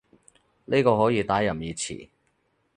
呢個可以打任意詞